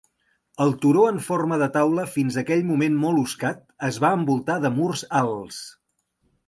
El turó en forma de taula fins aquell moment molt oscat, es va envoltar de murs alts.